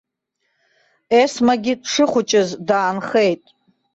Есмагьы дшыхәҷыз даанхеит!